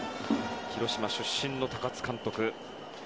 広島出身の高津監督。